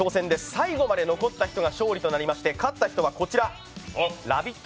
最後まで残った人が勝利となりまして、勝った人はこちらＬＯＶＥＩＴ！